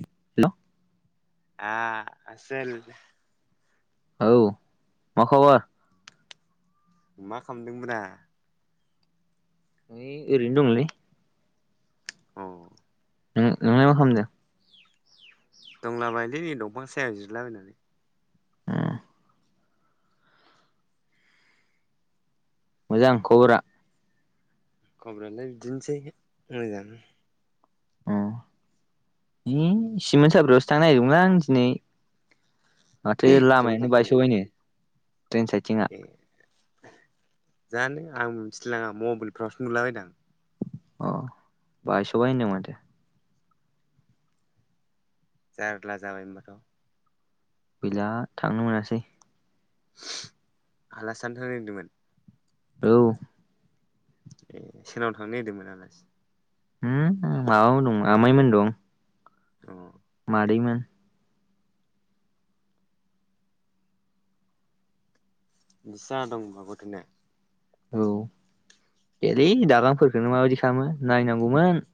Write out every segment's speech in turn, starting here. Hello आ-आसोल औ माखबर? मा खामदोंब्रा? नै ओरैनो दंलै। अ नों-नोंलाय मा खामदों? दंलाबायलै दंफां सायहाव जिरायलाबायनानै। खालामदों मोजां खबरा। खबरालाय बिदिनोसै मोजाङानो। [inaudible] होम सिमोन साफ्रियावसो थांनो नागिरदोंमोनलांं दिनै। माथो सेमोन लामायानो साफ्रि बायस'बायनो। ट्रेन साइथिंआ ए जानो आं मिथिलाङा मबाइलफ्रावसो नुलाबायदां। अह बायसबायनो माथो। जारला जाबाय ओमबाथ'। गैला थांनो मोनासै। आलासि जानो थांनो नागिरदोंमोन? औ ए सोरनाव थांनो नागिरदोंमोन आलासि उम बाबोनमोन दं आमायमोन दं। अ मादैमोन। बिसा दं [unintelligible] औ एलै दालांफोरखोनो माबायदि खालामो नायनांगौमोन।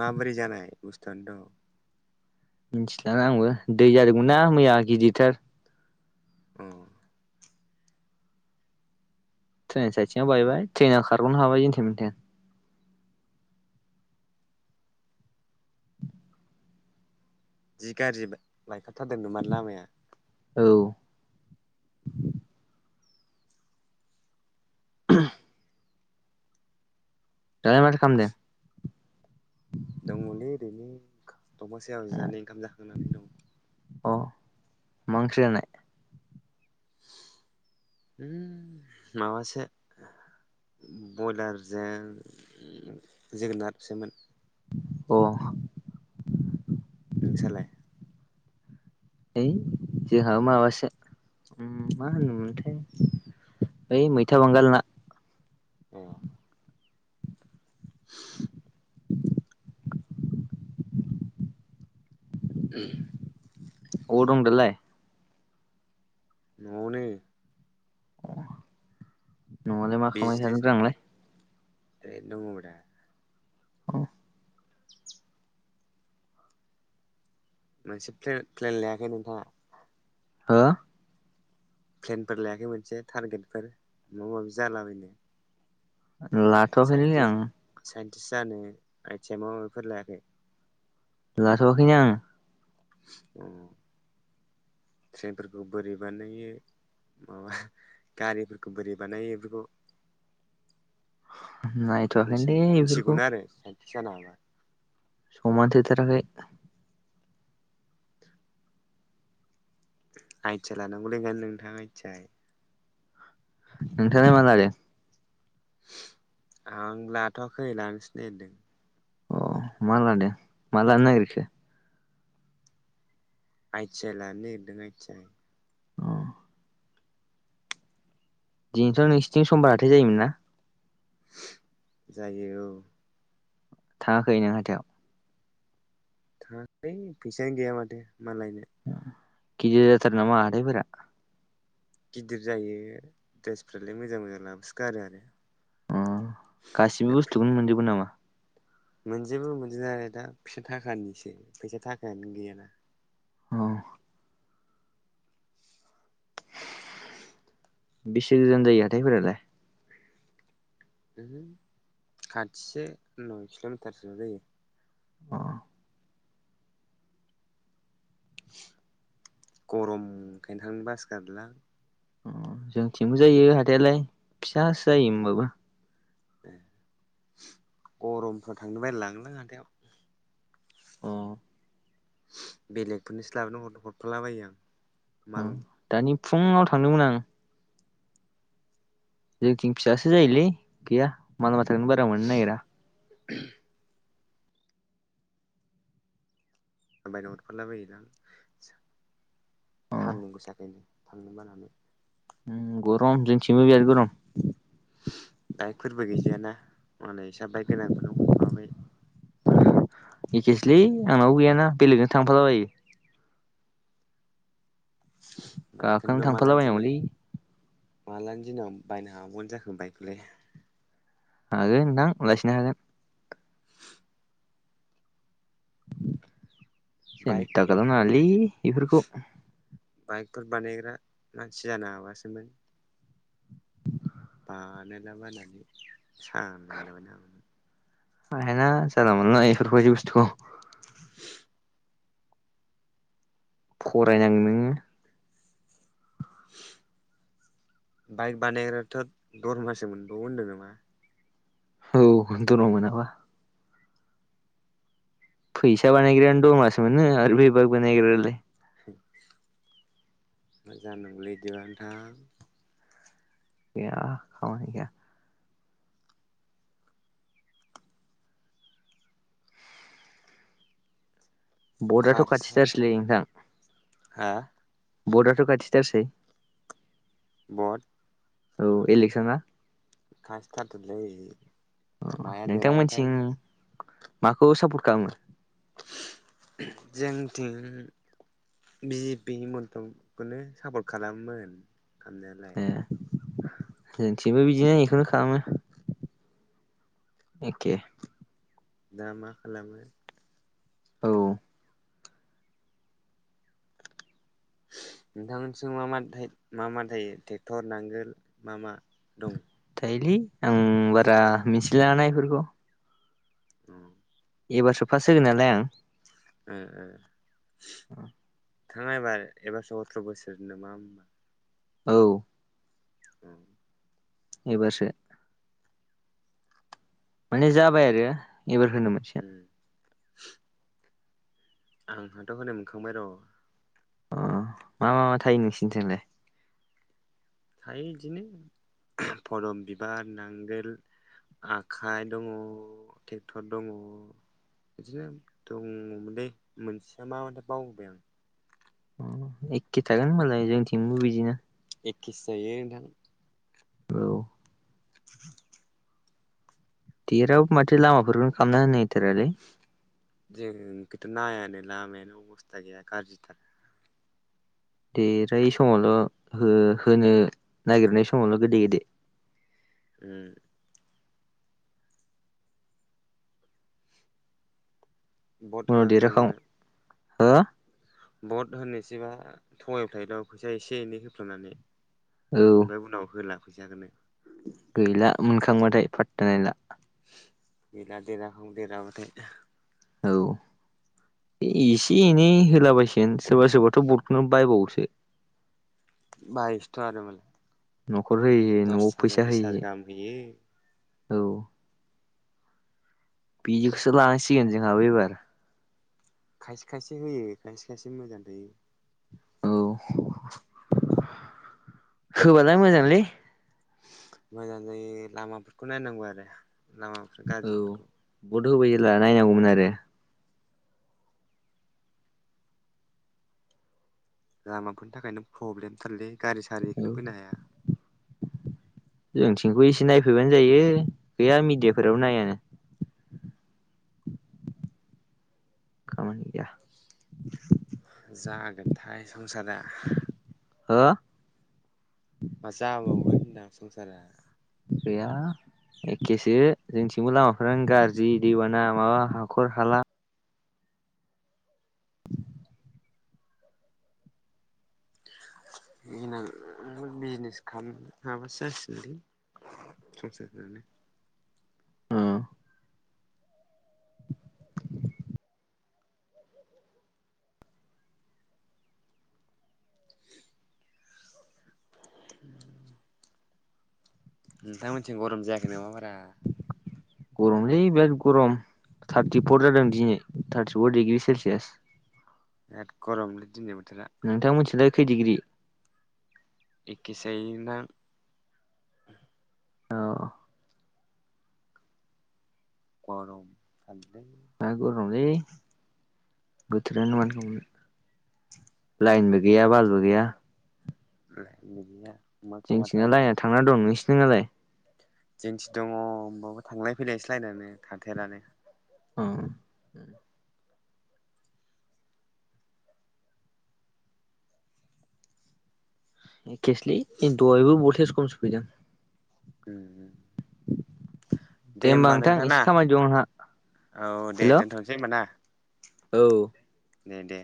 माबोरै जानायाय बुस्थुआनोथ' मिनथिला आंबो दै जादोंमोनना मैया गिदिरथार अ ट्रेन साइथिंआ बायबाय ट्रेनाव खारगनो हाबाय इन्थेन मेन्थेन। जि गाज्रि बाय बायखाथारदों [unintelligible] मान लामाया। औ [inaudible] [unintelligible] दालाय माथो खामदो। दंङलै ओरैनो दफां सायाव जिनानै ओंखाम जाखांनानै दं। अ मा ओंख्रि जानाय [inaudible] उम माबासो बयलारजों जोगोनारसोमोन। अ नोंसालाय ओइ जोंहा माबासो उम मा होनोमोनथाय बै मैथा बांगाल ना। अ [unintelligible] अबाव दं दालाय नआवनो न'आलाय मा खामायथादोंब्रा नोंलाय [unintelligible] दंङ रा अ [unintelligible] मोनसे प्ले प्लेन लायाखै नोंथाङा हा प्लेनफोर लायाखै मोनसे टारगेटफोर माबा माबि जालाबायनो लाथ'आखैलि साइन्टिस्ट आं। [unintelligible] जानो आइथिया माबा माबिफोर लायाखै लाथआखैनो आं। [inaudible] अ ट्रेनफोरखो बोरै बानायो। माबा गारिफोरखो बोरै बानायो इफोरखौ नायथ'वाखैनोलै [unintelligible] बेफोरखौ मिथिगौनो आरो साइन्तिस जानो हाबा। समाथो थाराखै। आइतिआय लानांगौलै नोंथां आय ति आय। नोंथांआलाय मा लादो आं लाथ आखै लानोसो नागिरदों। अ मा लादो मा लानो नागिरखो आइ तिआय लानो नागिरदों आइति आइ अ दिनथ नोंसिनिथिं समबारहाथाय जायोमोन ना जायो औ थाङांखै नों हाथायाव थाङांखै फैसायानो गैया माथो मालायनो। गिदि जाथारो नामा हाथाइफोरा गिदिर जायो ड्रेसफ्रालाय मोजां मोजां लाबोसो गारो आरो अ गासिबो बुस्थुखौनो मोनजोबगोन नामा? मोनजोेबो मोनजोबनायालाय दा फैसा थाखानिसो फैसा थाखायानो गैयाना औ बेसे गोजान जायो हाथाइफोरालाय? उमहो खाथिसो नय किलमिटारसोल' जायो। अ गरमखायनो थांनो बासो गारोलां अ जोंथिंबो जायो हाथाइयालाय फिसासो जायो होमबाबो ए गरमफ्राव थांनो बालायलाङो हाथायाव। अ'। बेलेगफोरनोसो लाबोनो हर-हरफालाबायो आं। माल उम दानि फुङाव थांदोंमोन आं। जोंथिं फिसासो जायोलै गैया माल ए माथाखौनो बारा मोननो नागिरा। बायना हरफालाबायोदां सा अ सान्दुं गोसाखायनो। थांनो बानानै। उम गरम जोंथिं बो बिराद गरम। बाइकफोरबो गैजाया ना मालाय इसा बाइकगोनांफोरनो हरफाबाय। एखेसोलै आंनावबो गैयाना बेलेगजों थांफालाबायो। गाखोना बाइकखौनोथ' मालानि दिनाव थांफालाबायनांगौलै। मालानि दिनाव बायनो हाबावगोन जाखो बाइकखौलाय? हागोन नोंथां लासैनो हागोन। बाइक सेनथा खालामनाङालै बिफोरखौ। बाइकफोर बानायग्रा मानसि जानो हाबासोमोन। बानायला बायनानै सालायलाबायनो हागौमोन। हायाना जानला मोनला एफोरबादि बुस्थुखौ। [unintelligible] फरायनांगोन नोङो। बाइक बानायग्रायाथ' दरमासो मोनबावो होनदों नामा? औ दरमा मोनाबा। फैसा बानायग्रायानो दरमासो मोनो आरो बे बाइक बानायग्रायालाय। बोरै जानांगौलै इदिबा‌ नोथां? गैया खामानि गैया। बर्टआथ' खाथिथारसैलै नोंथां। हो? भटआथ' खाथिथारसै। भट? औ एलेक्सना। खाथिथारथैलै अ माया नोंथांमोनथिं देरहागोनथाय। माखौ सापर्ट खालामो? जोंथिं बिजेपि हिमन्तखौनो सापट खालामो मोन खालामनायालाय। जोंथिबो बिदिनो इखौनो खालामो। एके। दा मा खालामो। औ। [unintelligible] नोंथांमोननिथिं मा मा थाय मा मा थायो टेक्टर नांगोल मा मा दं? थायोलै आं बारा मिथिलायलाङा ना एफोरखौ। उम। एबारसो फास्ट होगोन नालाय आं। ओ थाङा एबार एबारस' अथ्र' बोसोर नामा होनोमबा? औ। उम। एबारसो। माने जाबाय आरो एबार होनो मोनसिगोन। उम [unintelligible] आंहाथ' होनो मोनखांबाय र'। अ मा मा मा थायो नोंसिनिथिंलाय? थायो बिदिनो फदम बिबार नांगोल आखाइ दङ ट्रेक्टर दङ बिदिनो दङमोनलै मोनसेया मा मोनथाय बावबोबाय आं एखे थागोन होनबालाय जोंथिंबो बिदिनो एखखेसो जायो नोंथां औ [unintelligible] देरहाबाबो माथो लामाफोरखौनो खामना होनाय जोंखौथ' नायानो लामायानो अबस्था गैया गाज्रिथार दे राय समावल' हो होनो नागिरनाय समावल' गोदै गोदै उम भट होहां होआंनो हा भट होनोसैबा थगाय फलायोल फैसा एसे एनै होफ्लांनानै औ ओमफ्राय उनाव होला फैसाखौनो गैला मोनखांबाथाय फाथथा गैला गैला देरहाहां देरहाबाथाय औ एसे एनै होलाबायसिगोन सोरबा सोरबाथ' भटखौनो बायबावोसो बायोसोथ' आरो मालाय न'खर होयै होयै दस न'आव हाजार फैसा बिस होयै हाजार गाहाम होयो होयै औ बिदिखौसो लानांसिगोन जोंहाबो एबार खायसे खायसे होयो खायसे खायसे मोजां थायो औ होबालाय मोजांलै मोजां जायो लामाफोरखौ नायनांगौ आरो लामाफ्रा गाज्रि औ बद होबाय जेला नायनांगौमोन आरो लामाफोरनि थाखायनो प्रब्लेमथारलै गारि औ सारिखौनो फैनो हाया जोंथिंखौ एसे नायफैबानो जायो गैया मिडियाफोराब नायानो [unintelligible] खामानि गैया जागोनथाय संसारा हो मा जाबावगोन होनदां संसारा बेया एखेसो जोंथिंबो लामाफ्रानो गाज्रि दैबाना माबा हाखर हाला बिनो बिजनेस खालाम हबा सो जासिगोन लै ससे अ [unintelligible] नोंथांमोनथिं गरम जायाखै नामा बारा गरम लै बेराथ गरम थारटिफर जादों दिनै थारटिफर डिग्रि सेलसियास बिराद गरमलै दिनै बो नोंथां मोनथिंलाय खै डिग्रि। एखेसो जायोहोयो नोंथां। औ। गरम [inaudible] मा गरमलै बोथोरानो माथो खालामनो। लाइनबो गैया बालबो गैया। [unintelligible] जोंथिंना लायेना थांना दं नोंसिनालाय। जोंनिथि दङ होमबाबो थांलाय - फैलायसो लायनानो थाथेरानो। अ'। खेसलि दहायबो बलटेस खमसिन फैदों। उम-उम। दे होमबा नोंथां नोंथा ना एसे खामानि दं आंहा औ दे हेल' दोनथ'सै होमबा ना। औ। दे-दे।